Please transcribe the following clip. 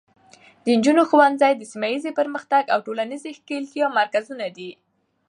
د نجونو ښوونځي د سیمه ایزې پرمختګ او ټولنیزې ښکیلتیا مرکزونه دي.